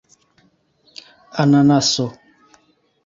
ananaso